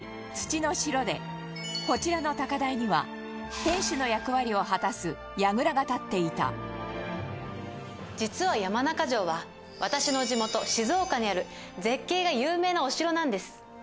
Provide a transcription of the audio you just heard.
天守閣がない土の城でこちらの高台には天守の役割を果たす櫓が立っていた実は、山中城は私の地元、静岡にある絶景が有名なお城なんです。